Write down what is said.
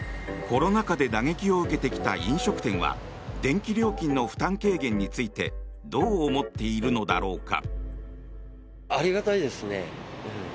コロナ禍で打撃を受けてきた飲食店は電気料金の負担軽減についてどう思っているのだろうか。